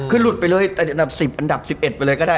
คือหลุดไปเลยแต่อันดับ๑๐อันดับ๑๑ไปเลยก็ได้